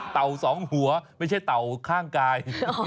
สองหัวไม่ใช่เต่าข้างกาย